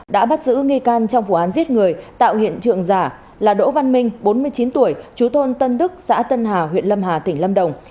đã bắt giữ nghi can trong vụ án giết người tạo hiện trường giả là đỗ văn minh bốn mươi chín tuổi chú tôn tân đức xã tân hà huyện lâm hà tỉnh lâm đồng